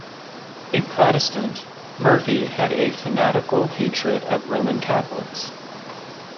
A Protestant, Murphy had a fanatical hatred of Roman Catholics.